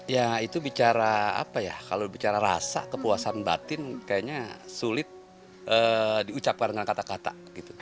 ya itu bicara apa ya kalau bicara rasa kepuasan batin kayaknya sulit diucapkan dengan kata kata